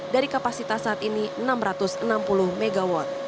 dari kapasitas saat ini enam ratus enam puluh mw